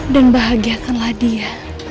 dan bahagiakanlah dia